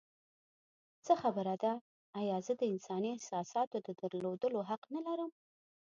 څه خبره ده؟ ایا زه د انساني احساساتو د درلودو حق نه لرم؟